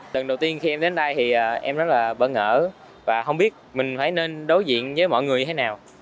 lần đầu tiên khi em đến đây thì em rất là bất ngờ và không biết mình phải nên đối diện với mọi người như thế nào